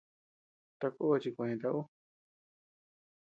Takó chikueta ú.